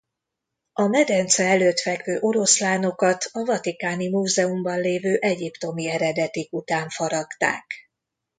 A medence előtt fekvő oroszlánokat a Vatikáni Múzeumban lévő egyiptomi eredetik után faragták.